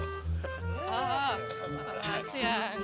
terima kasih ya